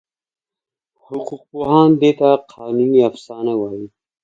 حقوقپوهان دې ته قانوني افسانه وایي.